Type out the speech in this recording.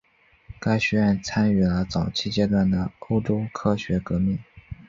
该学院参与了早期阶段的欧洲科学革命。